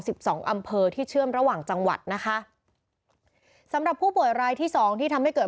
สองอำเภอที่เชื่อมระหว่างจังหวัดนะคะสำหรับผู้ป่วยรายที่สองที่ทำให้เกิด